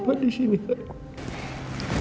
papa disini papa disini